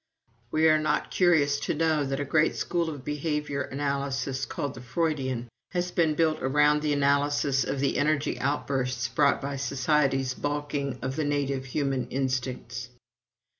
We are not curious to know that a great school of behavior analysis called the Freudian has been built around the analysis of the energy outbursts brought by society's balking of the native human instincts.